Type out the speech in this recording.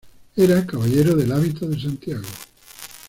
Era Caballero del Hábito de Santiago.